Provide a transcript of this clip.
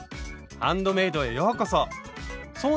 「ハンドメイド」へようこそ！